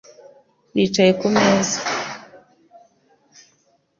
Bicaye kumeza.